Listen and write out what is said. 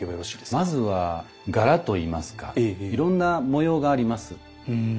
まずは柄といいますかいろんな模様があります。